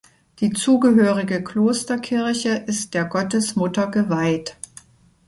Die zugehörige Klosterkirche ist der Gottesmutter geweiht.